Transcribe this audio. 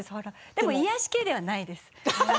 でも癒やし系ではないです。